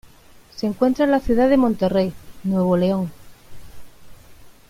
Se encuentra en la ciudad de Monterrey, Nuevo León.